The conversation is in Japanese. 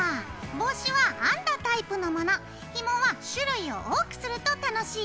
帽子は編んだタイプのものひもは種類を多くすると楽しいよ。